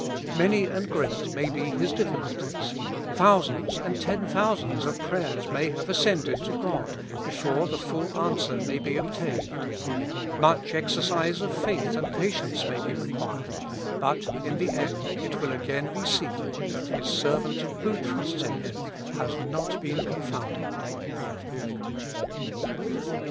Many and great maybe his difficulties ; thousands and ten thousands of prayers may have ascended to God, before the full answer may be ob tained ; much exercise of faith and patience may be required ; but in the end it will again be seen, that His sei vant, who trusts in Him, has not been confounded."